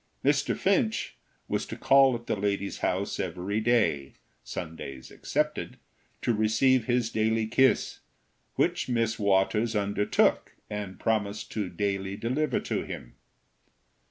Mr. Finch was to call at the lady's house every day, Sundays excepted, to receive his daily kiss, which Miss Waters undertook and promised to daily deliver to him.